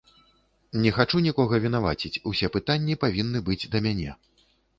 Не хачу нікога вінаваціць, усе пытанні павінны быць да мяне.